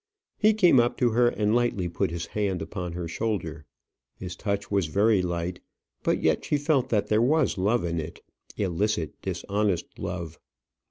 He came up to her, and lightly put his hand upon her shoulder. His touch was very light, but yet she felt that there was love in it illicit, dishonest love.